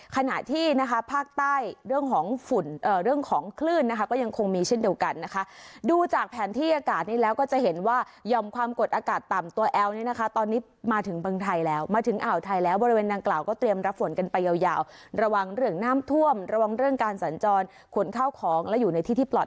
ขณะที่นะคะภาคใต้เรื่องของฝุ่นเอ่อเรื่องของคลื่นนะคะก็ยังคงมีเช่นเดียวกันนะคะดูจากแผนที่อากาศนี้แล้วก็จะเห็นว่ายอมความกดอากาศต่ำตัวแอลเนี่ยนะคะตอนนี้มาถึงเมืองไทยแล้วมาถึงอ่าวไทยแล้วบริเวณนางกล่าวก็เตรียมรับฝนกันไปยาวยาวระวังเรื่องน้ำท่วมระวังเรื่องการสัญจรขนเข้าของและอยู่ในที่ที่ปลอด